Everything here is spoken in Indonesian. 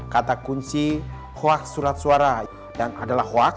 kata kunci hoax surat suara dan adalah hoax